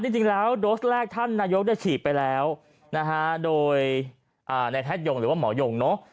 จริงแล้วโดสที่๑ท่านนายกได้ฉีดไปแล้วโดยอาทิตย์หรือว่าหมอยง